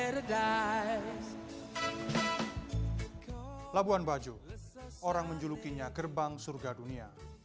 labuan bajo orang menjulukinya gerbang surga dunia